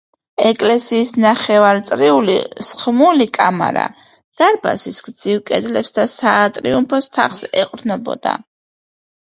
ეკლესიის ნახევარწრიული სხმული კამარა დარბაზის გრძივ კედლებს და სატრიუმფო თაღს ეყრდნობა.